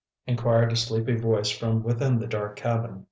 inquired a sleepy voice from within the dark cabin.